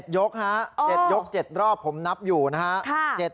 ยกฮะ๗ยก๗รอบผมนับอยู่นะฮะ